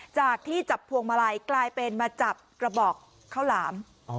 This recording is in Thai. จากที่จับพวงมาลัยกลายเป็นมาจับกระบอกข้าวหลาม